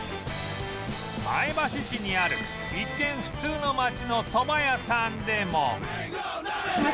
前橋市にある一見普通の町のそば屋さんでも